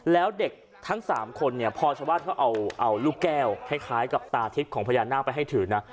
แล้วเด็กทั้ง๓คนเนี่ยพอชาวบ้านเขาเอาลูกแก้วคล้ายกับตาทิพย์ของพญานาคไปให้ถือนะ